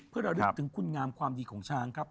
เพื่อระลึกถึงคุณงามความดีของช้างครับ